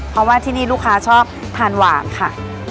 เพราะว่าที่นี่ลูกค้าชอบทานหวานค่ะ